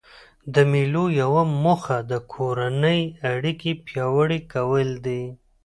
د مېلو یوه موخه د کورنۍ اړیکي پیاوړي کول دي.